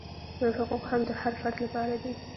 نور حقوق هم د هر فرد لپاره دي.